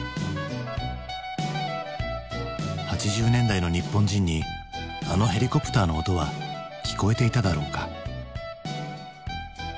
８０年代の日本人にあのヘリコプターの音は聞こえていただろうか？